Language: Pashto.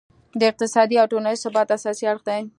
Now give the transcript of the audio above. د اقتصادي او ټولینز ثبات اساسي اړخ دی.